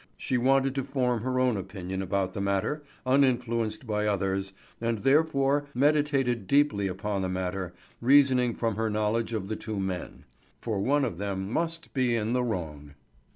She wanted to form her own opinion about the matter, uninfluenced by others, and therefore meditated deeply upon the matter, reasoning from her knowledge of the two men. For one of them must be in the wrong.